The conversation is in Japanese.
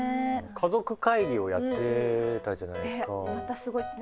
家族会議をやってたじゃないですか。